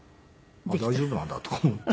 大丈夫なんだとか思って。